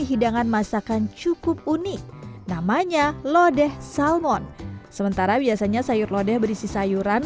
hidangan masakan cukup unik namanya lodeh salmon sementara biasanya sayur lodeh berisi sayuran